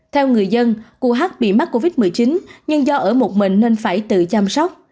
theo người dân cô h bị mắc covid một mươi chín nhưng do ở một mình nên phải tự chăm sóc